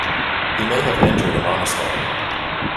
He may have entered a monastery.